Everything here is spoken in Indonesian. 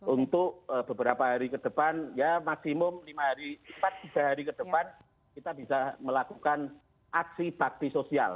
untuk beberapa hari ke depan ya maksimum lima hari empat tiga hari ke depan kita bisa melakukan aksi bakti sosial